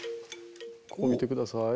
ここ見て下さい。